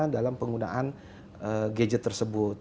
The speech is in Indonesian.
dalam penggunaan gadget tersebut